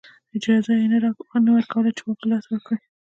اجازه یې نه ورکوله چې واک له لاسه ورکړي